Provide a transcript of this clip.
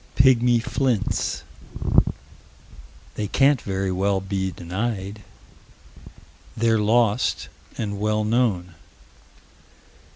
"Pigmy flints." They can't very well be denied. They're lost and well known.